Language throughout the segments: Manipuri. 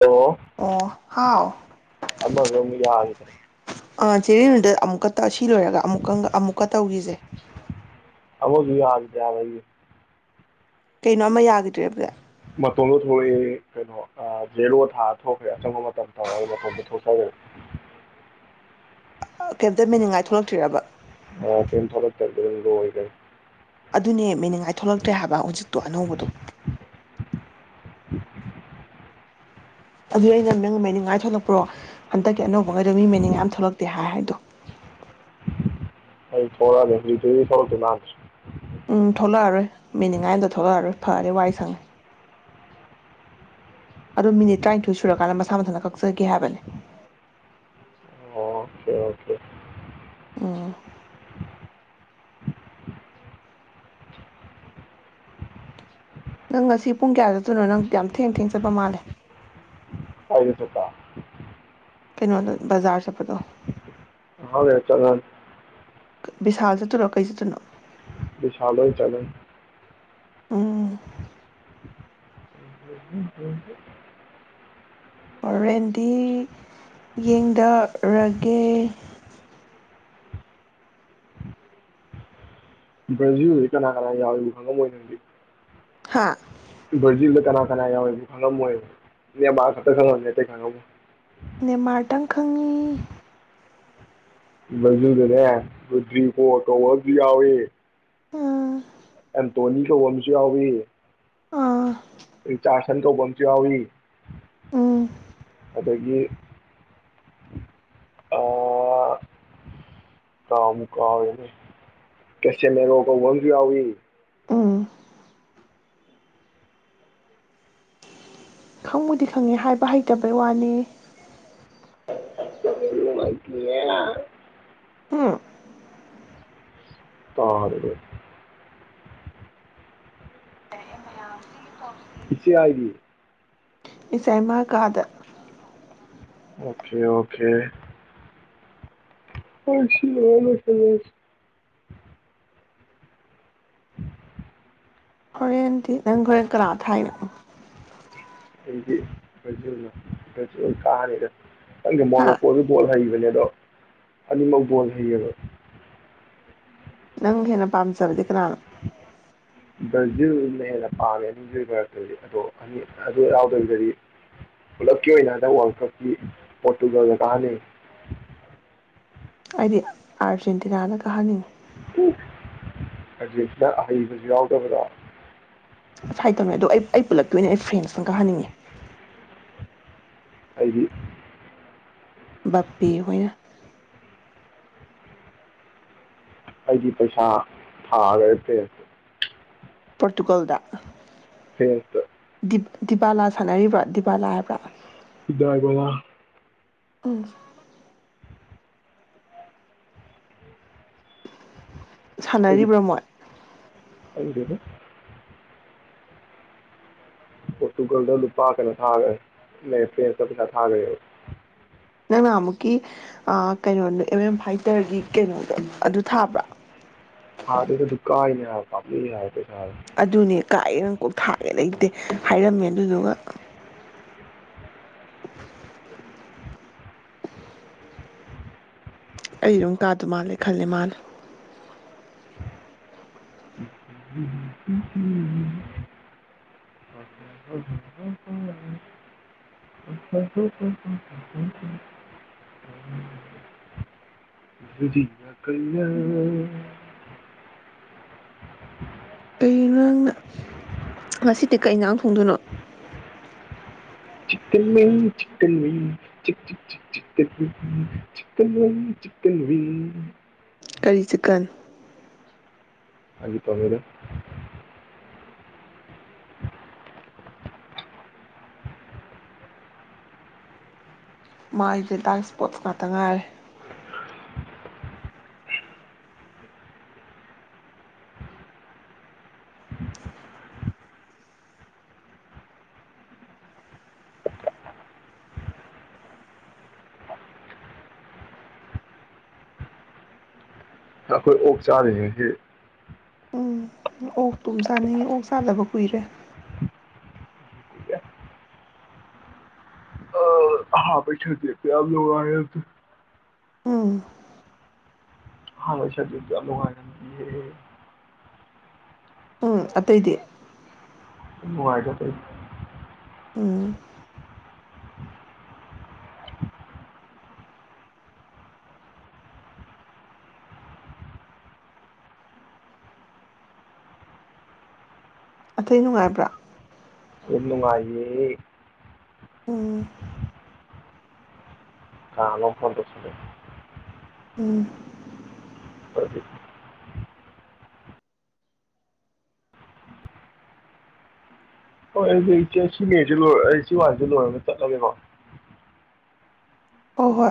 ꯍꯜꯂꯣ ꯑꯣ ꯍꯥꯎ ꯑꯃꯒ ꯑꯃꯨꯛ ꯌꯥꯒꯤ [unintelligible] ꯆꯦꯔꯗ ꯑꯃꯨꯛꯀ ꯁꯤ ꯂꯣꯏꯔꯒ ꯑꯃꯨꯛꯀ ꯑꯃꯨꯛꯀ ꯇꯧꯈꯤꯁꯦ ꯑꯃꯗꯣ ꯌꯥꯒꯤꯗ꯭ꯔꯦ ꯍꯥꯢꯕ ꯑꯩꯒꯤ ꯀꯩꯅꯣ ꯑꯃ ꯌꯥꯒꯤꯗ꯭ꯔꯦꯕꯂꯦ ꯃꯇꯣꯝꯇ ꯊꯣꯔꯛꯏ ꯀꯩꯅꯣ ꯑ ꯖꯦꯔꯣ ꯊꯣꯛꯈ꯭ꯔꯦ ꯑꯆꯪꯕ ꯃꯇꯝ ꯇꯧꯔꯒ ꯃꯇꯣꯝꯗ ꯊꯣꯛꯆꯒ꯭ꯔꯤꯕ ꯀꯩꯝꯇ ꯃꯦꯅꯤꯡꯉꯥꯏ ꯊꯣꯛꯂꯛꯇ꯭ꯔꯦꯕ ꯑ ꯀꯩ ꯊꯣꯂꯛꯇꯕꯤꯗ ꯂꯣꯢꯒ꯭ꯔꯦ ꯑꯗꯨꯅꯦ ꯃꯦꯅꯤꯡꯉꯥꯏ ꯊꯣꯛꯂꯛꯇ꯭ꯔꯦ ꯍꯥꯏꯕ ꯍꯧꯖꯤꯛꯇꯣ ꯑꯅꯧꯕꯗꯣ [unintelligible] ꯑꯗꯨ ꯑꯩꯅ ꯅꯪ ꯃꯦꯅꯤꯡꯉꯥꯏ ꯊꯣꯛꯂꯛꯄ꯭ꯔꯣ ꯍꯟꯗꯛꯀꯤ ꯑꯅꯧꯕ ꯃꯗꯨꯗ ꯃꯦꯟꯅꯤꯡ ꯑꯝ ꯊꯣꯛꯂꯛꯇꯦ ꯍꯥꯏ ꯍꯥꯏꯗꯨ ꯑꯩ ꯊꯣꯔꯛꯑꯒ ꯍꯨꯖꯤꯛꯐꯥꯎꯃꯩ ꯊꯣꯔꯛꯇꯧ ꯃꯥꯟꯗꯦ ꯎꯝ ꯊꯣꯛꯂꯛꯑꯔꯣꯏ ꯃꯦꯅꯤꯡꯉꯥꯏ ꯑꯝꯇ ꯊꯣꯛꯂꯛꯑꯔꯣꯏ ꯐꯔꯦ ꯋꯥꯏ ꯁꯪꯉꯦ ꯑꯗꯣ ꯃꯤꯅꯤꯠ ꯇꯔꯥꯅꯤꯊꯣꯏ ꯁꯨꯔꯀꯥꯟꯗ ꯃꯁꯥ ꯃꯊꯟꯇ ꯀꯛꯆꯒꯤ ꯍꯥꯏꯕꯅꯦ ꯑꯣꯀꯦ ꯑꯣꯀꯦ ꯎꯝ ꯅꯪ ꯉꯁꯤ ꯄꯨꯡ ꯀꯌꯥ ꯆꯠꯇꯣꯏꯅꯣ ꯅꯪ ꯌꯥꯝ ꯊꯦꯡ ꯊꯦꯡ ꯆꯠꯄ ꯃꯥꯜꯂꯦ ꯀꯥꯏꯗ ꯆꯠꯄ ꯀꯩꯅꯣꯗꯣ ꯕꯖꯥꯔ ꯆꯠꯄꯗꯣ ꯉꯍꯥꯛ ꯂꯩꯔ ꯆꯠꯂꯅꯤ ꯕꯤꯁꯥꯜ ꯆꯠꯇꯔꯣ ꯀꯩ ꯆꯠꯇꯣꯏꯅꯣ ꯚꯤꯁꯥꯜꯗ ꯑꯣꯢ ꯆꯠꯂꯅꯤ ꯎꯝ [unintelligible] ꯍꯣꯔꯦꯟꯗꯤ ꯌꯦꯡꯗꯔꯒꯦ ꯕ꯭ꯔꯥꯖꯤꯜꯁ ꯀꯅꯥ ꯀꯅꯥ ꯌꯥꯎꯕꯅꯣꯁꯨ ꯈꯪꯉꯂꯝꯃꯣꯏ ꯅꯪꯗꯤ ꯍꯥꯥ ꯕ꯭ꯔꯖꯤꯜꯗ ꯀꯅꯥ ꯀꯅꯥ ꯌꯥꯎꯏꯁꯨ ꯈꯪꯂꯝꯃꯣꯢꯕ ꯅꯦꯃꯥꯔ ꯈꯛꯇ ꯈꯪꯂꯝꯅꯤ ꯑꯇꯩ ꯈꯪꯉꯝꯃꯣꯢ ꯅꯦꯃꯥꯔꯇꯪ ꯈꯪꯉꯤ ꯕ꯭ꯔꯖꯤꯜꯗꯅꯦ ꯔꯨꯇ꯭ꯔꯤ ꯕꯣꯔ ꯀꯧꯕ ꯑꯃꯁꯨ ꯌꯥꯋꯦ ꯎꯝ ꯑꯦꯟꯇꯣꯅꯤ ꯀꯧꯕ ꯑꯃꯁꯨ ꯌꯥꯎꯋꯦ ꯑꯥ ꯔꯤꯆꯥꯁꯟ ꯀꯧꯕ ꯑꯃꯁꯨ ꯌꯥꯎꯏ ꯎꯝ ꯑꯗꯒꯤ ꯑ ꯀꯥꯎꯕꯨ ꯀꯥꯎꯔꯦꯅꯦ ꯀꯦꯆꯦꯂꯦꯔꯣ ꯀꯧꯕ ꯑꯃꯁꯨ ꯌꯥꯎꯏ ꯎꯝ ꯈꯪꯕꯨꯗꯤ ꯈꯪꯉꯦ ꯍꯥꯏꯕ ꯍꯩꯇꯕꯩ ꯋꯥꯅꯦ ꯑꯗꯒꯤꯅꯦ ꯎꯝ ꯇꯥꯔꯦ ꯏꯆꯦꯌꯥꯏꯒꯤ ꯏꯆꯥꯏꯃꯥ ꯀꯥꯗ ꯑꯣꯀꯦ ꯑꯣꯀꯦ ꯑꯣꯀꯦ ꯑꯣꯀꯦ [unintelligible] ꯔꯦꯟ ꯅꯪ ꯍꯣꯔꯦꯟ ꯀꯅꯥ ꯊꯥꯏꯅꯣ [unintelligible] ꯀꯥꯅꯤꯗ ꯈꯪꯗꯦ ꯍꯥ ꯃꯣꯔꯣꯀꯣꯁꯨ ꯕꯣꯜ ꯍꯩꯕꯅꯦ ꯑꯗꯣ ꯑꯅꯤꯃꯛ ꯕꯣꯜ ꯍꯩꯌꯦꯕ ꯅꯪ ꯍꯦꯟꯅ ꯄꯥꯝꯖꯕꯗꯤ ꯀꯅꯥꯅꯣ ꯕ꯭ꯔꯥꯖꯤꯜꯅ ꯍꯦꯟꯅ ꯄꯥꯝꯃꯦ ꯑꯅꯤꯗꯨꯒꯤ ꯃꯔꯛꯇꯗꯤ ꯑꯗꯣ ꯑꯅꯤ ꯑꯗꯨ ꯌꯥꯎꯗꯕꯤꯗ ꯄꯨꯂꯞꯀꯤ ꯑꯣꯏꯅ ꯍꯟꯗꯛ ꯋꯥꯔꯜ ꯀꯞꯀꯤ ꯄꯣꯔꯇꯨꯒꯜꯅ ꯀꯥꯍꯟꯅꯤꯡꯏ ꯑꯩꯗꯤ ꯑꯥꯔꯖꯦꯟꯇꯤꯅꯥꯅ ꯀꯥꯍꯟꯅꯤꯡꯉꯦ ꯎ ꯑꯔꯖꯦꯟꯇꯤꯅ ꯑꯍꯩꯕꯁꯨ ꯌꯥꯎꯗꯕꯗꯣ ꯑꯁ ꯍꯩꯇꯝꯅꯦ ꯑꯗꯣ ꯑꯩ ꯑꯩ ꯄꯨꯜꯂꯞꯀꯤ ꯑꯣꯏꯅ ꯑꯩ ꯐ꯭ꯔꯦꯟꯁꯅ ꯀꯥꯍꯟꯅꯤꯡꯉꯦ ꯑꯩꯗꯤ ꯕꯞꯄꯦ ꯍꯣꯏꯅ ꯑꯩꯗꯤ ꯄꯩꯁꯥ ꯊꯥꯒ꯭ꯔꯦ ꯐ꯭ꯔꯦꯟꯁꯇ ꯄꯣꯔꯇꯨꯒꯜꯗ ꯐ꯭ꯔꯦꯟꯁꯇ ꯗꯤꯕꯥꯂꯥ ꯁꯥꯟꯅꯔꯤꯕ꯭ꯔꯥ ꯗꯤꯕꯥꯂꯥ ꯍꯥꯏꯕ꯭ꯔꯥ ꯁꯤꯗꯥꯏꯕꯣꯂ ꯎꯝ ꯑꯩꯗꯤ ꯁꯥꯟꯅꯔꯤꯕ꯭ꯔꯥ ꯃꯣꯏ ꯈꯪꯗꯦꯗ ꯄꯣꯔꯇꯨꯒꯜꯗ ꯂꯨꯄꯥ ꯀꯩꯅꯣ ꯊꯥꯒ꯭ꯔꯦ ꯐ꯭ꯔꯦꯟꯁꯇ ꯄꯩꯁꯥ ꯊꯥꯒ꯭ꯔꯦꯕ ꯅꯪ ꯅꯍꯥꯟꯃꯨꯛꯀꯤ ꯑ ꯀꯩꯅꯣꯗꯣ ꯑꯦꯝ ꯑꯦꯝ ꯐꯥꯏꯇꯔꯒꯤ ꯀꯩꯅꯣꯗꯣ ꯑꯗꯨ ꯊꯥꯕ꯭ꯔꯥ ꯊꯥꯗ꯭ꯔꯒꯁꯨ ꯀꯥꯏꯅꯦ ꯍꯥꯏꯕ ꯄꯥꯝꯃꯨꯏ ꯍꯥꯏꯕ ꯄꯩꯁꯥꯗꯣ ꯑꯗꯨꯅꯦ ꯀꯥꯏꯌꯦ ꯅꯪ ꯀꯣꯛ ꯊꯥꯒꯦ ꯂꯩꯇꯦ ꯍꯥꯏꯔꯝꯃꯦ ꯑꯗꯨꯗꯨꯒ ꯑꯩ ꯑꯗꯨꯝ ꯀꯥꯗꯧ ꯃꯥꯜꯂꯦ ꯈꯜꯂꯦ ꯃꯥꯜꯂꯦ [unintelligible] [inaudible] ꯀꯩꯅꯣ ꯅꯪꯅ ꯉꯁꯤꯗꯤ ꯀꯩ ꯌꯦꯟꯖꯥꯡ ꯊꯣꯡꯗꯣꯏꯅꯣ ꯆꯤꯀꯟꯅꯦ ꯆꯤꯀꯟꯅꯦ ꯆꯤ ꯆꯤ ꯆꯤ ꯆꯤꯀꯟ ꯆꯤꯀꯟ ꯋꯤꯡ ꯀꯔꯤ ꯆꯤꯛꯀꯟ ꯐꯒꯤ ꯇꯧꯕꯅꯤꯗ [inaudible] ꯃꯥꯥꯏꯗ ꯗꯥꯛ ꯏꯁꯄꯣꯔꯠꯁ ꯉꯥꯛꯇ ꯉꯥꯏꯔꯦ ꯑꯩꯈꯣꯏ ꯑꯣꯛ ꯆꯥꯗꯨꯏꯅꯦ ꯉꯁꯤ ꯎꯝ ꯑꯣꯛ ꯇꯨꯝ ꯆꯥꯅꯤꯡꯉꯤ ꯑꯣꯛ ꯆꯥꯗꯕ ꯀꯨꯏꯔꯦ ꯑꯍꯥꯟꯕꯩ ꯁꯕꯖꯦꯛꯇꯣ ꯌꯥꯃ ꯅꯨꯡꯉꯥꯏꯔꯝꯗꯦ ꯎꯝ ꯑꯍꯥꯟꯕꯩꯪ ꯁꯕꯖꯦꯛ ꯇꯣ ꯌꯥꯝ ꯅꯨꯉꯥꯏꯔꯝꯗꯤꯌꯦ ꯎꯝ ꯑꯇꯩꯗꯤ ꯅꯨꯡꯉꯥꯏꯗ ꯑꯇꯩꯗꯤ ꯎꯝ ꯑꯇꯩ ꯅꯨꯡꯉꯥꯏꯕ꯭ꯔꯥ ꯂꯣꯏ ꯅꯨꯡꯉꯥꯏꯦꯌꯦ ꯎꯝ ꯀꯅꯥꯅꯣꯝ ꯐꯣꯟꯇꯧꯁꯤꯜꯂꯦ ꯎꯝ ꯐ ꯍꯣꯏ ꯑꯩꯪꯁꯤ ꯆꯦ ꯁꯤ ꯋꯥꯖꯦ ꯂꯣꯏꯔꯒ ꯆꯠꯂꯒꯦꯀꯣ ꯍꯣꯏ ꯍꯣꯏ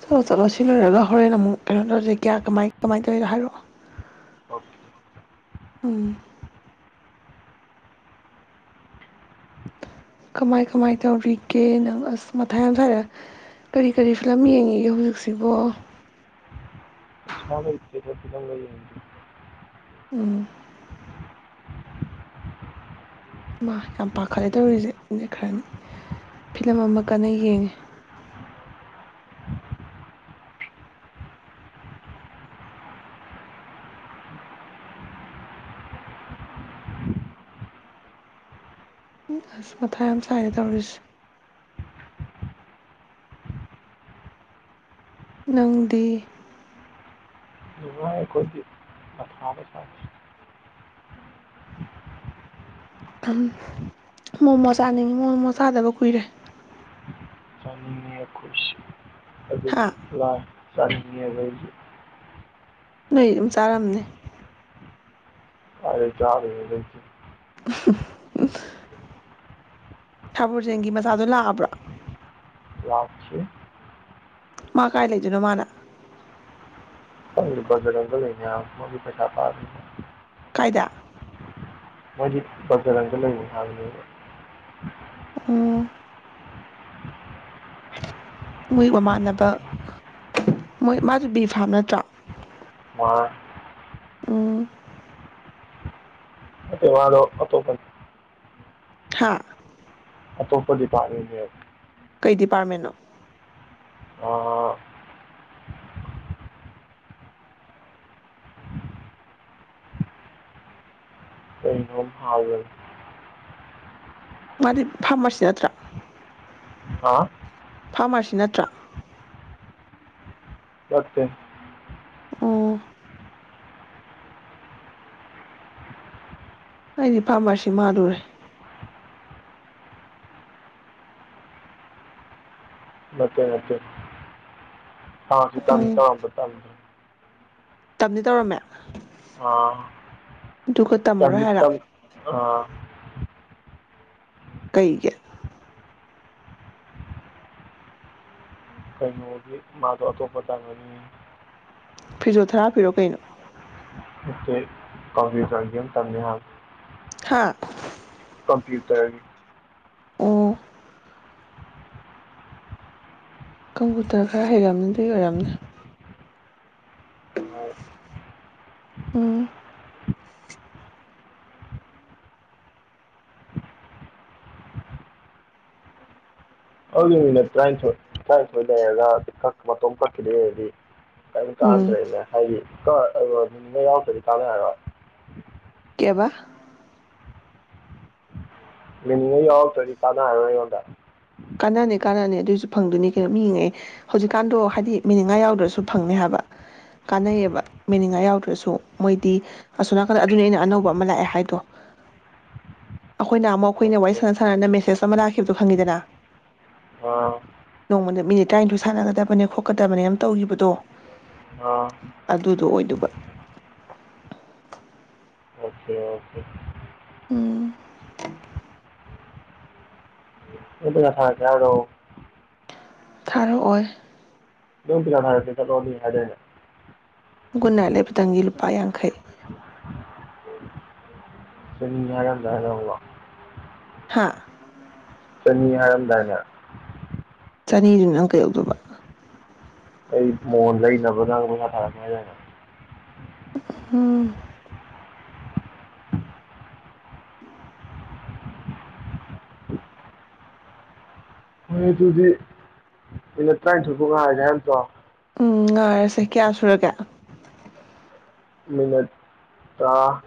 ꯆꯠꯂꯣ ꯆꯠꯂꯣ ꯁꯤ ꯂꯣꯏꯔꯒ ꯍꯣꯔꯦꯟ ꯑꯃꯨꯛ ꯀꯩꯅꯣ ꯇꯧꯁꯤ ꯀꯌꯥ ꯀꯃꯥꯏ ꯀꯃꯥꯏꯅ ꯇꯧꯔꯤꯅꯣ ꯍꯥꯏꯔꯛꯑꯣ ꯑꯣꯀꯦ ꯎꯝ ꯀꯃꯥꯏ ꯀꯃꯥꯏ ꯇꯧꯔꯤꯒꯦ ꯅꯪ ꯑꯁ ꯃꯊꯥꯏ ꯌꯥꯝ ꯁꯥꯏꯗ ꯀꯔꯤ ꯀꯔꯤ ꯐꯤꯂꯝ ꯌꯦꯡꯉꯤꯒꯦ ꯍꯧꯖꯤꯛꯁꯤꯕꯣ ꯄꯩꯁꯥ ꯂꯩꯇꯦꯗ ꯐꯤꯂꯝꯒ ꯌꯦꯡꯒꯦ ꯎꯝ ꯏꯃꯥ ꯌꯥꯝ ꯄꯥꯈꯠꯂꯦ ꯇꯧꯔꯤꯁꯦ ꯃꯦꯠ ꯈꯔꯅꯤ ꯐꯤꯂꯝ ꯑꯃ ꯀꯟꯅ ꯌꯦꯡꯉꯦ ꯑꯁ ꯃꯊꯥ ꯌꯥꯝ ꯁꯥꯏꯗ ꯇꯧꯔꯤꯁꯦ ꯅꯪꯗꯤ [unintelligible] ꯁꯥꯗꯦ ꯃꯣꯃꯣ ꯆꯥꯅꯤꯡꯉꯤ ꯃꯣꯃꯣ ꯆꯥꯗꯕ ꯀꯨꯏꯔꯦ ꯆꯥꯅꯤꯡꯉꯦ ꯑꯩꯈꯣꯏꯁꯦ ꯍꯥ [unintelligible] ꯅꯣꯏ ꯑꯗꯨꯝ ꯆꯥꯔꯝꯅꯤ ꯀꯥꯏꯗꯒꯤ ꯆꯥꯗꯣꯏꯅꯣꯗ ꯏꯆꯦ ꯁꯥꯔ ꯕ꯭ꯔꯣꯖꯦꯟꯒꯤ ꯃꯆꯥꯗꯣ ꯂꯥꯛ ꯑꯕ꯭ꯔꯣ ꯂꯥꯛꯇꯔꯤ ꯃꯥ ꯀꯥꯏ ꯂꯩꯗꯣꯏꯅꯣ ꯃꯥꯅ ꯈꯪꯗꯦ ꯕꯖꯔꯪꯗ ꯂꯩꯅꯤ ꯍꯥꯏꯕꯅꯤ ꯃꯥꯗꯤ ꯄꯩꯁꯥ ꯄꯥꯏꯕꯅꯤꯅ ꯀꯥꯏꯗ ꯃꯣꯏꯗꯤ ꯕꯖꯔꯪꯗ ꯂꯩꯅꯤ ꯍꯥꯏꯕ ꯅꯦꯕ ꯑꯣ ꯃꯣꯏ ꯃꯃꯥꯟꯅꯕ ꯃꯣꯏ ꯃꯥꯁꯨ ꯕꯤ ꯐꯥꯝ ꯅꯠꯇ꯭ꯔꯣ ꯃꯥꯟꯅꯦ ꯑꯣ [unintelligible] ꯍꯥꯥ ꯑꯇꯣꯞꯄ ꯗꯤꯄꯥ꯭ꯔꯠꯃꯦꯟꯅꯦ ꯀꯩ ꯗꯤꯄꯥ꯭ꯔꯠꯃꯦꯟꯇ ꯅꯣ ꯑ ꯍꯥꯎꯋꯦ ꯃꯗꯤ ꯐꯥꯝꯃꯔꯁꯤ ꯅꯠꯇ꯭ꯔꯥ ꯍꯥꯥ ꯐꯥꯝꯃꯥꯔꯁꯤ ꯅꯠꯇ꯭ꯔꯥ ꯅꯠꯇꯦ ꯑꯣ ꯑꯩꯗꯤ ꯐꯥꯝꯃꯥꯔꯁꯤ ꯃꯥꯜꯂꯨꯔꯦ ꯅꯠꯇꯦ ꯅꯠꯇꯦ ꯐꯥꯝꯃꯥꯔꯁꯤ ꯇꯝꯅꯤ ꯇꯧꯔꯝꯕ ꯇꯝꯗ꯭ꯔꯦ ꯇꯝꯗꯤ ꯇꯧꯔꯝꯃꯦ ꯑꯥ ꯑꯗꯨꯒ ꯇꯝꯃꯔꯣꯏ ꯇꯝꯗꯤ ꯍꯥꯏꯔꯣ ꯇꯝ ꯑꯥ ꯀꯩꯒꯤ ꯀꯩꯅꯣꯒꯤ ꯃꯥꯗꯣ ꯑꯇꯣꯞꯄ ꯇꯥꯝꯃꯅꯤꯌꯦ ꯐꯤꯖꯣ ꯊꯔꯥꯞꯄꯤꯔꯣ ꯀꯩꯅꯣ ꯅꯠꯇꯦ ꯀꯝꯄ꯭ꯌꯨꯇꯔꯒꯤ ꯑꯃ ꯇꯝꯅꯤ ꯍꯥꯏꯕꯅꯤ ꯍꯥ ꯀꯝꯄ꯭ꯌꯨꯇꯔꯒꯤ ꯑꯣ ꯀꯝꯄ꯭ꯌꯨꯇꯔ ꯈꯔ ꯍꯩꯔꯝꯒꯅꯤ ꯑꯗꯨꯏ ꯑꯣꯏꯔꯝꯅꯤ ꯎꯝ ꯑꯗꯣ ꯃꯤꯅꯠ ꯇꯔꯥꯅꯤꯊꯣꯏ ꯇꯔꯥꯅꯤꯊꯣꯏ ꯂꯩꯔꯒ ꯃꯇꯣꯝ ꯀꯛꯈꯤ ꯗꯣꯏ ꯑꯣꯏꯔꯗꯤ ꯀꯌꯤꯝ ꯎꯝ ꯀꯥꯟꯅꯗ꯭ꯔꯦꯅꯦ ꯍꯥꯏꯗꯤ [unintelligible] ꯀꯦꯕ ꯌꯎꯔꯛꯇꯔꯗꯤ ꯀꯟꯅꯔꯣꯏ ꯑꯩꯑꯣꯟꯗ ꯀꯥꯟꯅꯅꯤ ꯀꯥꯟꯅꯅꯤ ꯑꯗꯨꯏꯁꯨ ꯐꯪꯗꯣꯏꯅꯤ ꯀꯩꯅꯣ ꯃꯤꯉꯦ ꯍꯧꯖꯤꯛꯀꯥꯟꯗꯣ ꯍꯥꯏꯗꯤ ꯃꯤꯅꯤꯡꯉꯥꯏ ꯌꯥꯎꯗ꯭ꯔꯁꯨ ꯐꯪꯅꯤ ꯍꯥꯏꯕ ꯀꯥꯟꯅꯩꯌꯦꯕ ꯃꯤꯅꯤꯡꯉꯥꯏ ꯌꯥꯎꯗ꯭ꯔꯁꯨ ꯃꯣꯏꯗꯤ ꯑꯁꯣꯝ ꯅꯥꯀꯟꯗ ꯑꯗꯨꯅꯤ ꯑꯩꯅ ꯑꯅꯧꯕ ꯑꯃ ꯂꯥꯛꯑꯦ ꯍꯥꯏꯗꯣ ꯑꯩꯈꯣꯏꯅ ꯑꯃꯨꯛ ꯑꯩꯈꯣꯏꯅ ꯋꯥꯔꯤ ꯑꯣꯀꯦ ꯁꯥꯟꯅ ꯁꯥꯟꯅꯅ ꯃꯦꯁꯦꯁ ꯑꯃ ꯂꯥꯛꯈꯤꯕꯗꯣ ꯈꯪꯉꯤꯗꯅ ꯑꯥ ꯅꯣꯡꯃꯗ ꯃꯤꯅꯤꯠ ꯇꯔꯥꯅꯤꯊꯣꯏ ꯁꯥꯟꯅꯒꯗꯕꯅꯦ ꯈꯣꯠꯀꯗꯕꯅꯦ ꯌꯥꯝ ꯇꯧꯒꯤꯕꯗꯣ ꯑꯥ ꯑꯗꯨꯗꯣ ꯑꯣꯏꯗꯣꯢꯕ ꯑꯣꯀꯦ ꯑꯣꯀꯦ ꯎꯝ ꯑꯩ ꯄꯩꯁꯥ ꯊꯥꯔꯛꯀꯦ ꯍꯥꯢꯔꯣ ꯊꯥꯔꯛꯑꯣꯏ [unintelligible] ꯒꯨꯠ ꯅꯥꯏꯠ ꯂꯩꯕꯗꯪꯒꯤ ꯂꯨꯄꯥ ꯌꯥꯡꯈꯩ [unintelligible] ꯍꯥꯥ ꯆꯅꯤ ꯍꯥꯏꯔꯝꯗꯥꯏꯅꯦ ꯆꯅꯤꯗꯨꯅ ꯅꯪ ꯀꯩꯗꯧꯗꯨꯕ ꯑꯩ ꯃꯣꯟ ꯂꯩꯅꯕ ꯅꯪ ꯄꯩꯁꯥ ꯊꯥꯔꯛꯀꯦ ꯍꯥꯏꯗꯥꯏꯅꯦ ꯎꯝ ꯍꯣꯏ ꯑꯗꯨꯨꯗꯤ ꯃꯤꯅꯠ ꯇꯥ꯭ꯏꯟꯊꯣꯏꯕꯨ ꯉꯥꯏꯔꯒꯦ ꯍꯥꯏ ꯅꯠꯇ꯭ꯔꯣ ꯎꯝ ꯉꯥꯏꯔꯁꯦ ꯀꯌꯥ ꯁꯨꯔꯒꯦ ꯃꯤꯅꯠ ꯇꯔꯥ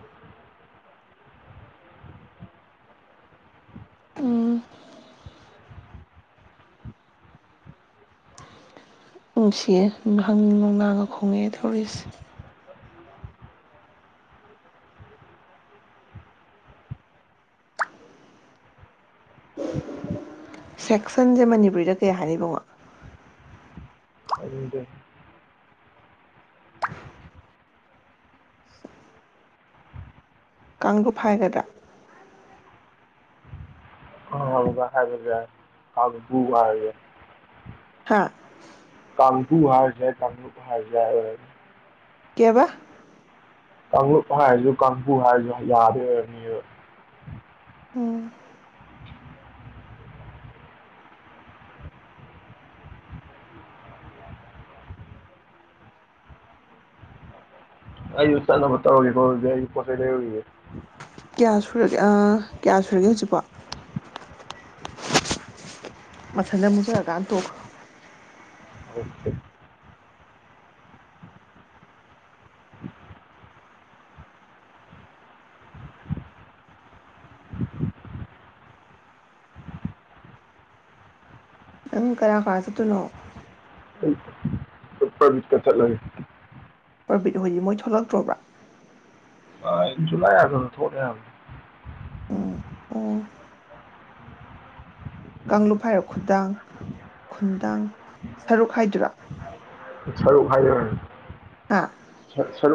ꯎꯝ ꯅꯨꯡꯁꯤꯌꯦ ꯍꯥꯡꯅꯤꯡ ꯅꯣꯡꯅꯥꯡꯒ ꯈꯣꯡꯉꯛꯑꯦ ꯇꯧꯔꯤꯁꯦ ꯁꯦꯛꯁꯟꯁꯦ ꯃꯅꯤꯄꯨꯔꯤꯗ ꯀꯩ ꯍꯥꯏꯅꯤ ꯕꯨꯉꯣ ꯑꯅꯤꯗꯤ ꯀꯥꯡꯂꯨꯞ ꯍꯥꯏꯒꯗ꯭ꯔꯥ [unintelligible] ꯍꯥꯥ ꯀꯥꯡꯕꯨꯨ ꯍꯥꯔꯖꯨ ꯌꯥꯏ ꯀꯥꯡꯂꯨꯞ ꯍꯥꯔꯔꯖꯨ ꯌꯥꯏ ꯀꯦꯕ ꯀꯥꯡꯂꯨꯞ ꯍꯥꯏꯔꯖꯨ ꯀꯥꯡꯕꯨ ꯍꯥꯏꯔꯖꯨ ꯌꯥꯗꯣꯢ ꯑꯣꯢꯔꯝꯅꯤꯕ ꯑꯝ ꯑꯩꯖꯨ ꯆꯠꯅꯕ ꯇꯧꯔꯒꯦꯀꯣ ꯗꯨꯗꯤ ꯑꯩ ꯄꯣꯠꯆꯩ ꯂꯩꯔꯨꯒꯤꯒꯦ ꯀꯌꯥ ꯁꯨꯔꯒꯦ ꯑꯥ ꯀꯌꯥ ꯁꯨꯔꯒꯦ ꯍꯧꯖꯤꯛꯄꯣ ꯃꯊꯟꯗ ꯃꯨꯠꯖꯔꯀꯥꯟ ꯇꯣꯛꯈꯔꯣ ꯅꯪ ꯀꯅꯥ ꯀꯥꯅ ꯆꯠꯇꯣꯢꯅꯣ ꯑꯩ [unintelligible] ꯄ꯭ꯔꯕꯤꯠ ꯍꯣꯏꯗꯤ ꯃꯣꯏ ꯊꯣꯛꯂꯛꯇ꯭ꯔꯣꯕ꯭ꯔꯥ ꯖꯨꯂꯥꯏ ꯑꯒꯁꯇ ꯊꯣꯛꯅꯤ ꯍꯥꯏꯕꯅꯦ ꯎꯝ ꯀꯥꯡꯂꯨꯞ ꯍꯥꯏꯔꯣ ꯈꯨꯗꯥꯡ ꯈꯨꯟꯗꯥꯡ ꯁꯔꯨꯛ ꯍꯥꯏꯗꯨꯔꯥ [unintelligible] ꯍꯥ [inaudible]